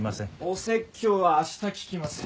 お説教は明日聞きます。